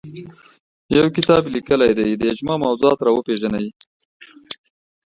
یو کتاب لیکلی دی اجماع موضوعات راوپېژني